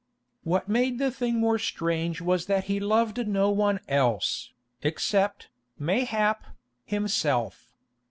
What made the thing more strange was that he loved no one else, except, mayhap, himself.